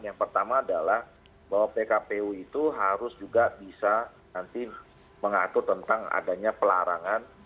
yang pertama adalah bahwa pkpu itu harus juga bisa nanti mengatur tentang adanya pelarangan